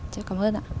cháu cảm ơn ạ